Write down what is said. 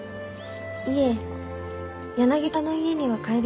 いえ柳田の家には帰りません。